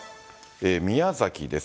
宮崎です。